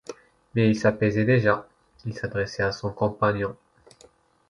Mais il s'apaisait déjà, il s'adressait à son compagnon.